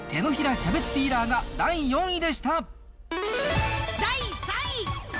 キャベツピーラーが第４第３位。